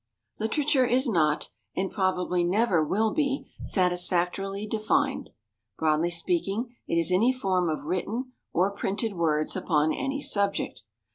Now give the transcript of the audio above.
= Literature is not, and probably never will be, satisfactorily defined. Broadly speaking, it is any form of written or printed words upon any subject.